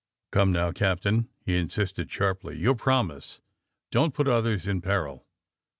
^^Come, now, Captain!" lie insisted sharply. *^Your promise! Don't pnt others in peril."